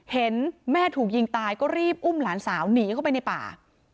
เห็นแม่ถูกยิงตายก็รีบอุ้มหลานสาวหนีเข้าไปในป่า